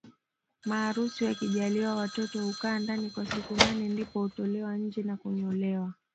Maharusi wakijaliwa mtoto hukaa ndani kwa siku nane ndipo hutolewa nje na kunyolewa